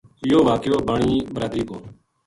یوہ واقعو بانی برادری کو